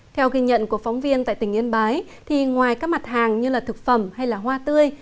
theo ghi nhận của phóng viên tại tỉnh yên bái thì ngoài các mặt hàng như là thực phẩm hay là hoa tươi